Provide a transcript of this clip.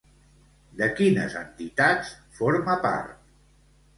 De quines entitats forma part?